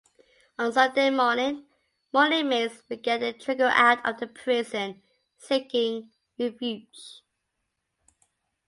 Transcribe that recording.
On Sunday morning, more inmates began to trickle out of the prison seeking refuge.